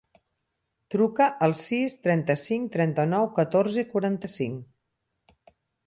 Truca al sis, trenta-cinc, trenta-nou, catorze, quaranta-cinc.